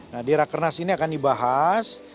nah di raker nas ini akan dibahas